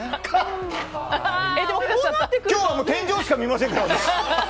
今日は天井しか見ませんから。